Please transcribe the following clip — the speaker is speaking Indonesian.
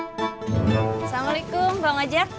assalamualaikum bang ojak